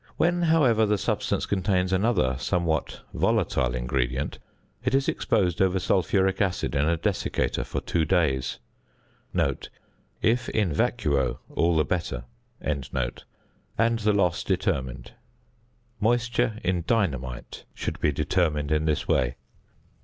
When, however, the substance contains another somewhat volatile ingredient, it is exposed over sulphuric acid in a desiccator for two days (if in vacuo, all the better), and the loss determined. Moisture in dynamite should be determined in this way.